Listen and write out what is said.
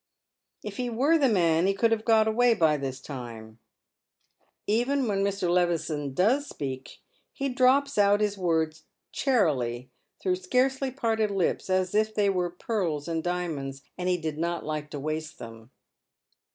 " If he were the man he could have got away by this time." Even when Mr. Levison does speak he drops out his words charily through scarcely parted lips, as if they were pearls and diamonds, and he did not like to waste them.